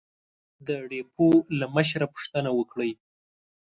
د ډېپو له مشره پوښتنه وکړئ!